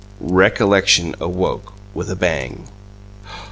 Recollection awoke with a bang!